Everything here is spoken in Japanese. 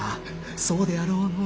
そうであろうのう。